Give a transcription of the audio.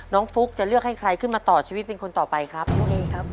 ฟุ๊กจะเลือกให้ใครขึ้นมาต่อชีวิตเป็นคนต่อไปครับน้องเอครับ